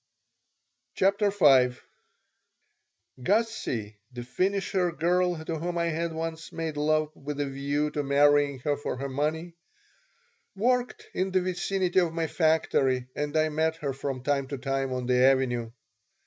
CHAPTER V GUSSIE, the finisher girl to whom I had once made love with a view to marrying her for her money, worked in the vicinity of my factory and I met her from time to time on the Avenue.